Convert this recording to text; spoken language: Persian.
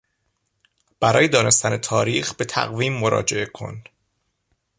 برای دانستن تاریخ به تقویم مراجعه کن!